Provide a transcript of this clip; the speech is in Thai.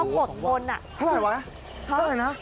พะไหลวะ